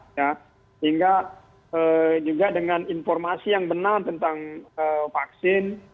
sehingga juga dengan informasi yang benar tentang vaksin